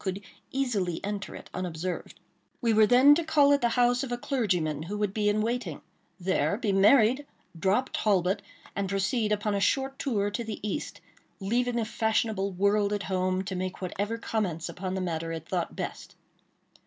could easily enter it unobserved. We were then to call at the house of a clergyman who would be in waiting; there be married, drop Talbot, and proceed on a short tour to the East; leaving the fashionable world at home to make whatever comments upon the matter it thought best.